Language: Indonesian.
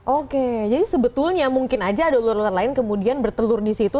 oke jadi sebetulnya mungkin aja ada ular ular lain kemudian bertelur di situ